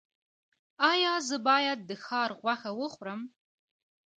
ایا زه باید د ښکار غوښه وخورم؟